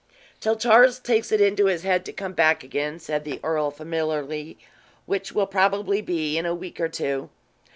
"Till Charles takes it into his head to come back again," said the earl, familiarly, "which will probably be in a week or two.